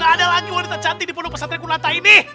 gak ada lagi wanita cantik di pulau pesantren kunanta ini